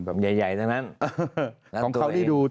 แต่ได้ยินจากคนอื่นแต่ได้ยินจากคนอื่น